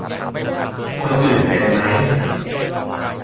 คนอื่นเป็นไหม